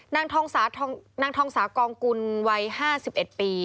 นางทองสากองกุลวัย๕๑ปี